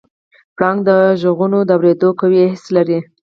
پړانګ د غږونو د اورېدو قوي حس لري.